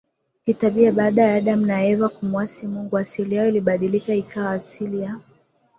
kitabia baada ya Adam na Eva kumwasi Mungu asili yao ikabadilika ikawa asili ya